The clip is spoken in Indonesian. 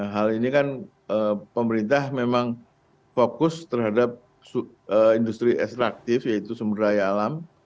hal ini kan pemerintah memang fokus terhadap industri ekstraktif yaitu sumber daya alam